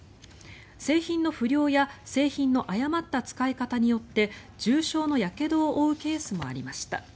製品の不良や製品の誤った使い方によって重傷のやけどを負うケースもありました。